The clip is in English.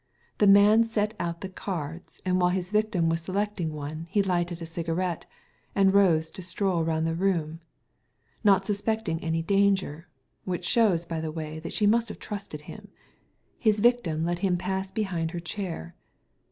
*' The man set out the cards, and while his victim was selecting one he lighted a cigarette, and rose to stroll round the room. Not suspecting any danger — which shows, by the way, that she must have trusted him — his victim let him pass behind her chair.